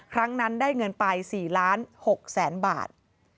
ครั้งนั้นได้เงินไป๔๖๐๐๐๐บาท